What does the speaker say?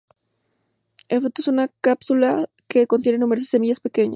El fruto es una cápsula que contiene numerosas semillas pequeñas.